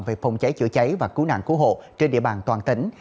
về phòng cháy chữa cháy và cứu nạn cứu hộ trên địa bàn toàn tỉnh